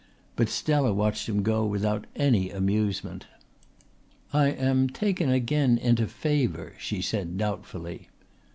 But Stella watched him go without any amusement. "I am taken again into favour," she said doubtfully.